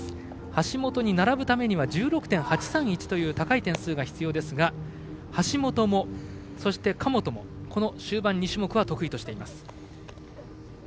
橋本に並ぶためには１６．８３１という高い点数が必要ですが橋本もそして、神本も終盤２種目を得意としています。